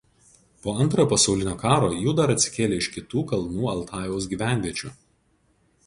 Po Antrojo pasaulinio karo jų dar atsikėlė iš kitų Kalnų Altajaus gyvenviečių.